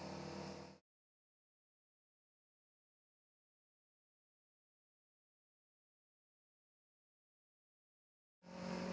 nggak ada pakarnya